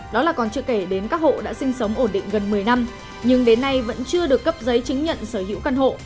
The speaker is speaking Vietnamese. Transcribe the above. đó là còn chưa kể đến các hộ đã sinh sống ổn định gần một mươi năm nhưng đến nay vẫn chưa được cấp giấy chứng nhận sở hữu căn hộ